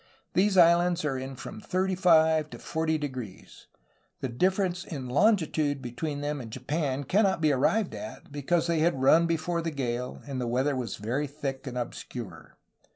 These islands are in from thirty five to forty degrees. The difference in longitude between them and Japan cannot be arrived at, because they had run before the gale and the weather was very thick and obscure.